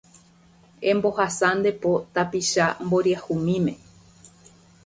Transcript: Embohasa nde po tapicha mboriahumíme